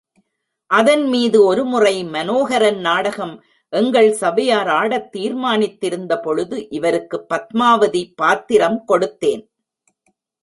அதன்மீது ஒரு முறை மனோஹரன் நாடகம் எங்கள் சபையார் ஆடத் தீர்மானித்திருந்தபொழுது இவருக்குப் பத்மாவதி பாத்திரம் கொடுத்தேன்.